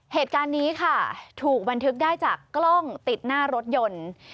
เหตุการณ์นี้ค่ะถูกบันทึกได้จากกล้องติดหน้ารถยนต์